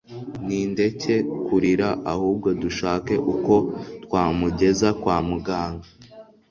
nindeke kurira ahubwo dushake uko twamugeza kwa muganga